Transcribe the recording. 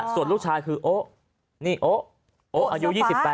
ส่วนลูกชายคือโอ๊ะนี่โอ๊โอ๊อายุ๒๘